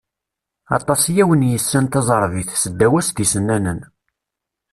Aṭas i awen-yessan taẓerbit, seddaw-as d isennanen.